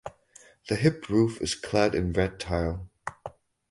The hip roof is clad in red tile.